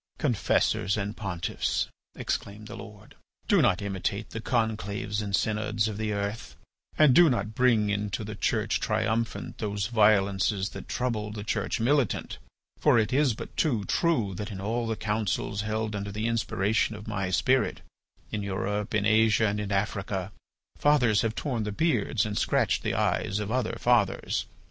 "Confessors and pontiffs," exclaimed the Lord, "do not imitate the conclaves and synods of the earth. And do not bring into the Church Triumphant those violences that trouble the Church Militant. For it is but too true that in all the councils held under the inspiration of my spirit, in Europe, in Asia, and in Africa, fathers have torn the beards and scratched the eyes of other fathers.